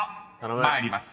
［参ります。